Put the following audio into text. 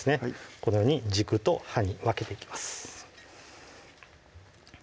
このように軸と葉に分けていきます